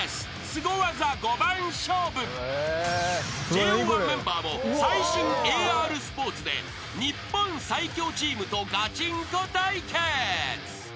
［ＪＯ１メンバーも最新ＡＲスポーツで日本最強チームとがちんこ対決］